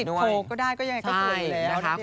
ไม่ต้องติดโพลกก็ได้ก็ยังไงก็เป็น